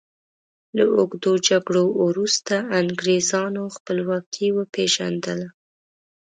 له اوږدو جګړو وروسته انګریزانو خپلواکي وپيژندله.